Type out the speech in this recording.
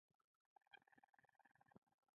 د خاوري حدودو په برخه کې ووایم.